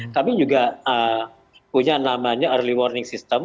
kami juga punya namanya early warning system